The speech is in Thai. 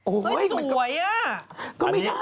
โอ้โหสวยอ่ะก็ไม่ได้